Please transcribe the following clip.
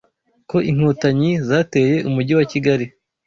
ko Inkontanyi zateye Umujyi wa Kigali